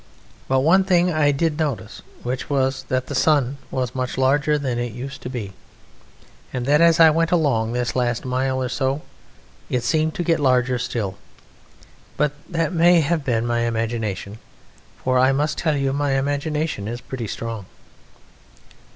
But one thing I did notice, which was that the sun was much larger than it used to be, and that as I went along this last mile or so it seemed to get larger still but that may have been my imagination, for I must tell you my imagination is pretty strong.